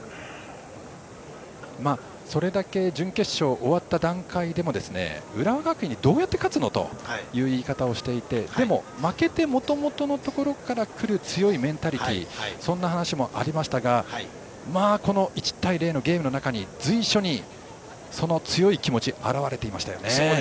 それだけ準決勝終わった段階で浦和学院にどうやって勝つのという言い方をしていてでも、負けてもともとのところから来る強いメンタリティーそんな話もありましたがこの１対０のゲームの中随所にその強い気持ちが表れていましたよね。